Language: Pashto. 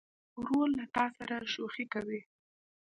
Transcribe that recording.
ورور له تا سره شوخي کوي.